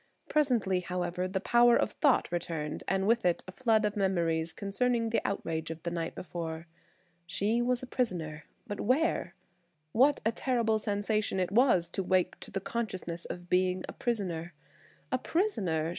Presently, however, the power of thought returned and with it a flood of memories concerning the outrage of the night before. She was a prisoner, but where? What a terrible sensation it was to wake to the conciousness of being a prisoner! A prisoner!